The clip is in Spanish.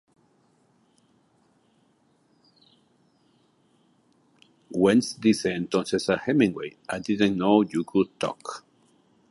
Wentz dice entonces a Hemingway, "I didn't know you could talk!